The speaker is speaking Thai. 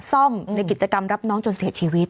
ซ่อมในกิจกรรมรับน้องจนเสียชีวิต